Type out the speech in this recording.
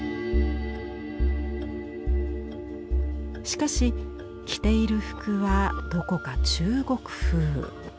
しかし着ている服はどこか中国風。